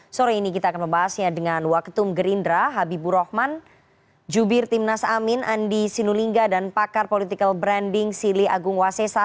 sore ini kita akan membahasnya dengan waketum gerindra habibur rahman jubir timnas amin andi sinulinga dan pakar political branding sili agung wasesa